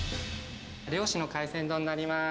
漁師の海鮮丼になります。